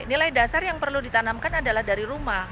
nilai dasar yang perlu ditanamkan adalah dari rumah